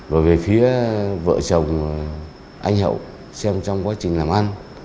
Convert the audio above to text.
và về phía vợ chồng anh hậu xem trong quá trình làm ăn